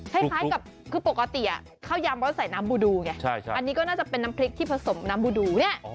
คล้ายกับคือปกติข้าวยำเขาใส่น้ำบูดูไงอันนี้ก็น่าจะเป็นน้ำพริกที่ผสมน้ำบูดูเนี่ย